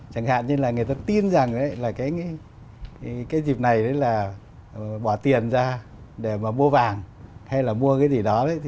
chẳng hạn như là người ta tin rằng là cái dịp này đấy là bỏ tiền ra để mà mua vàng hay là mua cái gì đó đấy